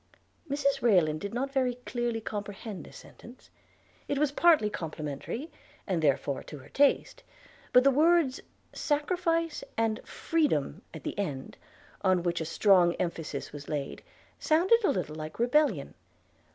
Mrs Rayland did not very clearly comprehend this sentence. It was partly complimentary, and therefore to her taste; but the words sacrifice and freedom, at the end, on which a strong emphasis was laid, sounded a little like rebellion.